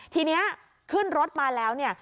ทีนี้ขึ้นรถมาแล้วเนี่ย